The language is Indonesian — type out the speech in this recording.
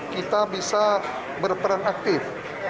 kita bisa berperan aktif